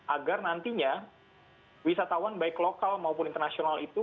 agar nantinya wisatawan baik lokal maupun internasional itu